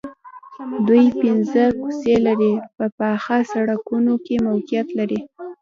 دوی پنځه کوڅې لرې په پاخه سړکونو کې موقعیت لري